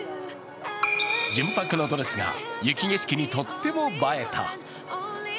純白のドレスが雪景色にとっても映えた。